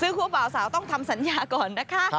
คู่บ่าวสาวต้องทำสัญญาก่อนนะคะ